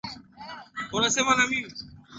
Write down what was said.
mahakama iliwahukumu washitakiwa ishirini na tano